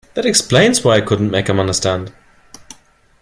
That explains why I couldn't make him understand.